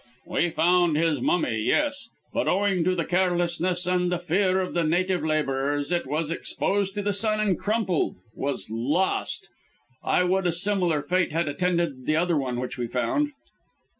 "We found his mummy yes. But owing to the carelessness and the fear of the native labourers it was exposed to the sun and crumpled was lost. I would a similar fate had attended the other one which we found!"